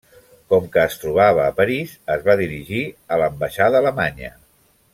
Com que es trobava a París, es va dirigir a l'ambaixada alemanya.